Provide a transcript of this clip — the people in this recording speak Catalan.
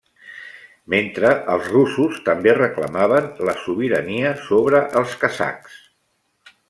Mentre els russos també reclamaven la sobirania sobre els kazakhs.